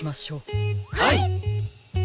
はい！